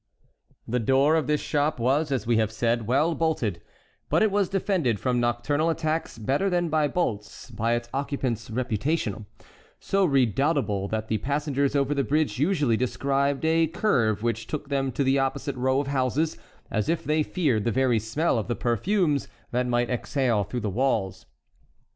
The door of this shop was, as we have said, well bolted; but it was defended from nocturnal attacks better than by bolts by its occupant's reputation, so redoubtable that the passengers over the bridge usually described a curve which took them to the opposite row of houses, as if they feared the very smell of the perfumes that might exhale through the walls.